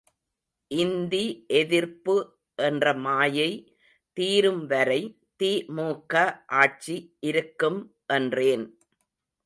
இந்தி எதிர்ப்பு என்ற மாயை தீரும்வரை தி.மு.க.ஆட்சி இருக்கும், என்றேன்.